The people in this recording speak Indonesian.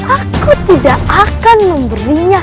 aku tidak akan memberinya